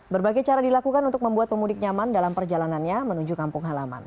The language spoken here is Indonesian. berbagai cara dilakukan untuk membuat pemudik nyaman dalam perjalanannya menuju kampung halaman